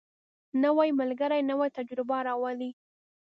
نوی ملګری نوې تجربې راولي